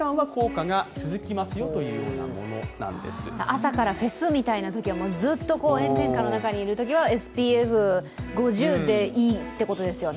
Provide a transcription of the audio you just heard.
朝からフェスみたいなとき、ずっと炎天下の中にいるときはＳＰＦ５０でいいということですね。